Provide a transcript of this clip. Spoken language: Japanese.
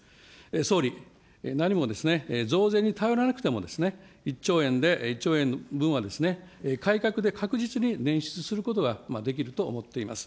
総理、何も増税に頼らなくても、１兆円で、１兆円分は改革で確実に捻出することができると思っております。